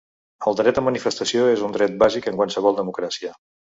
El dret a manifestació és un dret bàsic en qualsevol democràcia.